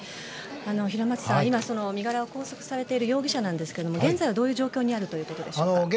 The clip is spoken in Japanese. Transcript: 平松さん、今身柄を拘束されている容疑者なんですけれども現在はどういう状況にあるということでしょうか。